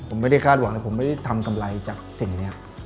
ผมไม่ได้คาดหวังเลยผมไม่ได้ทำกำไรจากสิ่งนี้